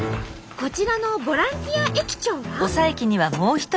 こちらのボランティア駅長は。